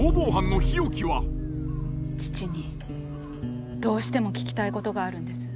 父にどうしても聞きたいことがあるんです。